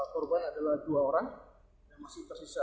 korban adalah dua orang yang masih tersisa